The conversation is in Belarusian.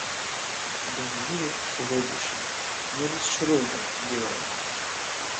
Дарагія суродзічы, не расчаруйма героя!